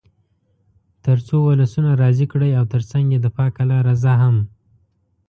تر څو ولسونه راضي کړئ او تر څنګ یې د پاک الله رضا هم.